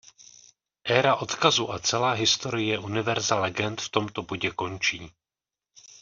Éra odkazu a celá historie univerza legend v tomto bodě končí.